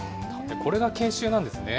これが研修なんですね。